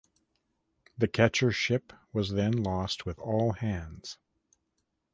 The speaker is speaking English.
The catcher ship was then lost with all hands.